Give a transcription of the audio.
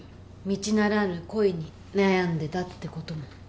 道ならぬ恋に悩んでたってことも。